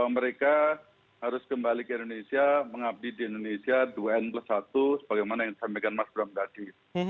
mereka harus kembali ke indonesia mengabdi di indonesia dua n plus satu sebagaimana yang disampaikan mas bram tadi